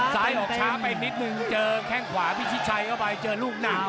ซ้ายออกช้าไปนิดนึงเจอแข้งขวาพิชิดชัยเข้าไปเจอลูกหนัก